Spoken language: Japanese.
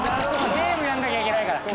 ゲームやらなきゃいけないから。